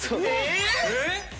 えっ！？